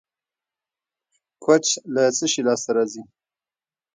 کوچ له څه شي لاسته راځي؟